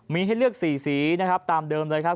มีให้เลือก๔สีตามเดิมเลยครับ